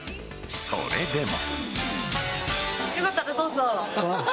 それでも。